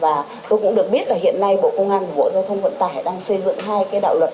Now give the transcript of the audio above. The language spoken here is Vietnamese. và tôi cũng được biết là hiện nay bộ công an và bộ giao thông vận tải đang xây dựng hai cái đạo luật